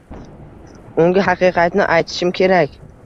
Unga haqiqatni aytishim kerak